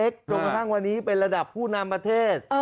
จนกระทั่งวันนี้เป็นระดับผู้นำประเทศ